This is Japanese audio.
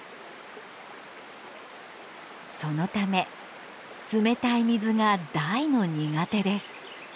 そのため冷たい水が大の苦手です。